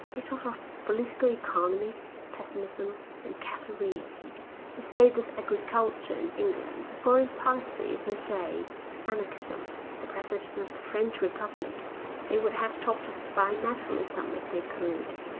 They talked of political economy and pessimism and cattle rearing, the state of agriculture in England, the foreign policy of the day, Anarchism, the President of the French Republic. They would have talked of bi metallism if they could.